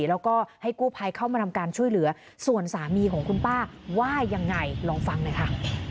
แล้วก็ให้กู้ภัยเข้ามาทำการช่วยเหลือส่วนสามีของคุณป้าว่ายังไงลองฟังหน่อยค่ะ